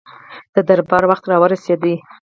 د دربار وخت را ورسېدی.